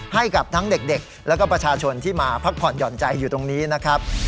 ให้กับทั้งเด็กแล้วก็ประชาชนที่มาพักผ่อนหย่อนใจอยู่ตรงนี้นะครับ